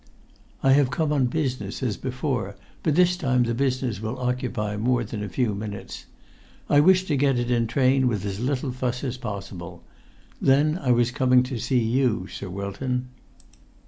"I have come on business, as before, but this time the business will occupy more than a few minutes. I wished to get it in train with as little fuss as possible. Then I was coming to see you, Sir Wilton."